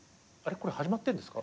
これ始まってんですか？